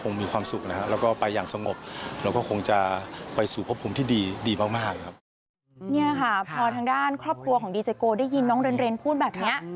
นี่พอทางด้านครอบครัวได้ยินน้องเรนพูดแบบนี้